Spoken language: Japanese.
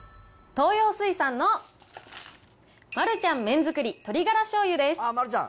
東洋水産のマルちゃん麺づくり鶏ガラ醤油です。